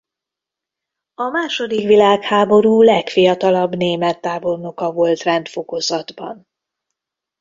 A második világháború legfiatalabb német tábornoka volt rendfokozatban.